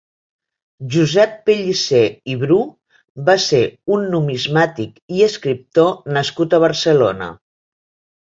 Josep Pellicer i Bru va ser un numismàtic i escriptor nascut a Barcelona.